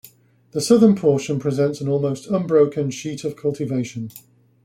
The southern portion presents an almost unbroken sheet of cultivation.